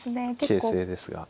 形勢ですが。